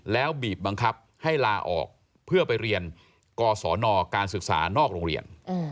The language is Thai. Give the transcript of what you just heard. แล้วบีบบังคับให้ลาออกเพื่อไปเรียนกศนการศึกษานอกโรงเรียน